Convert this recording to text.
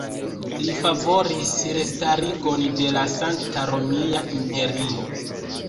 Li favoris restarigon de la Sankta Romia Imperio.